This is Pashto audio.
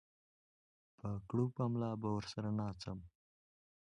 په کړوپه ملا به ورسره ناڅم